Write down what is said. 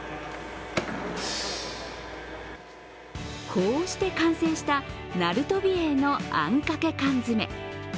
こうして完成したナルトビエイのあんかけ缶詰。